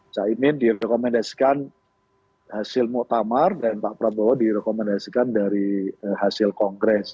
caimin direkomendasikan hasil muktamar dan pak prabowo direkomendasikan dari hasil kongres